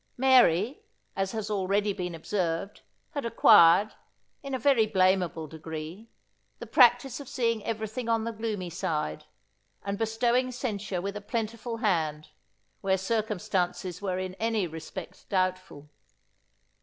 Mary, as has already been observed, had acquired, in a very blameable degree, the practice of seeing every thing on the gloomy side, and bestowing censure with a plentiful hand, where circumstances were in any respect doubtful.